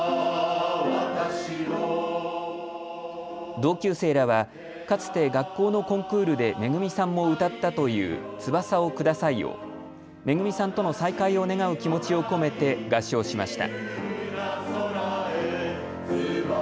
同級生らはかつて学校のコンクールでめぐみさんも歌ったという翼をくださいをめぐみさんとの再会を願う気持ちを込めて合唱しました。